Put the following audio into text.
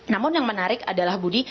namun yang menarik adalah budi